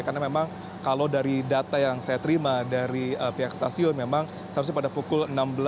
karena memang kalau dari data yang saya terima dari pihak stasiun memang seharusnya pada pukul enam belas lima puluh delapan